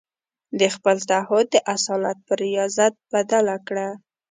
د خپل تعهد د اصالت پر رياضت بدله کړه.